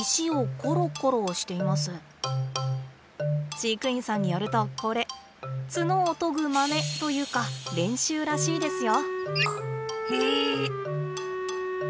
飼育員さんによるとこれ角を研ぐまねというか練習らしいですよ。